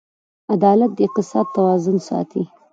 عدالت د اقتصاد توازن ساتي.